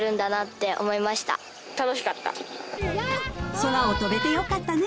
空を飛べてよかったね！